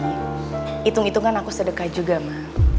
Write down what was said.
hitung hitung kan aku sedekah juga ma